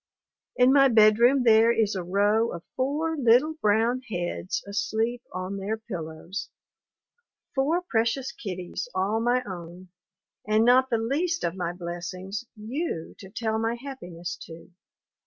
In my bedroom there is a row of four little brown heads asleep on their pillows. Four precious kiddies all my own. And not the least of my blessings, you to tell my happiness to.